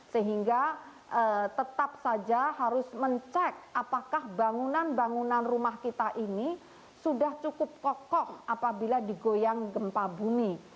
sehingga tetap saja harus mencek apakah bangunan bangunan rumah kita ini sudah cukup kokoh apabila digoyang gempa bumi